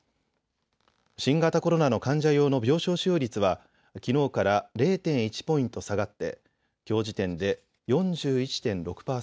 新型コロナの患者用の病床使用率はきのうから０．１ポイント下がってきょう時点で４１．６％です。